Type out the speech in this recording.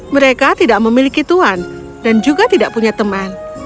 mereka tidak memiliki tuan dan juga tidak punya teman